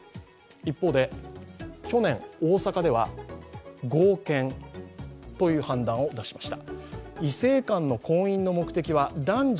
一方で去年、大阪では合憲という判断を出しました。